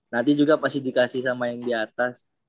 nanti juga pasti dikasih sama yang diatas